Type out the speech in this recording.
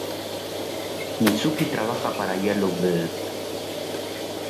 Mizuki trabaja para Yellow Bird.